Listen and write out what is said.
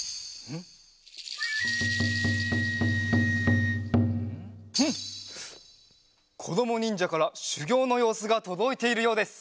んっこどもにんじゃからしゅぎょうのようすがとどいているようです。